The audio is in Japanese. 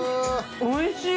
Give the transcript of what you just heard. おいしい。